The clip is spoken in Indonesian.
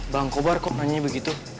bang kobar kok nanya begitu